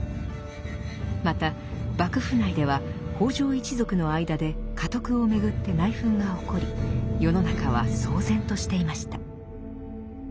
また幕府内では北条一族の間で家督をめぐって内紛が起こり世の中は騒然としていました。